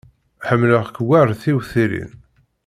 Ḥemmleɣ-k war tiwtilin.